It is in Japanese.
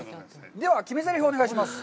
では決めぜりふお願いします。